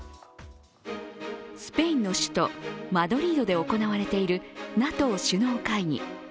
スペインの首都マドリードで行われているＮＡＴＯ首脳会議。